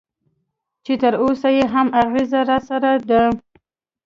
چې تراوسه یې هم اغېز راسره دی.